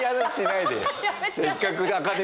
せっかく。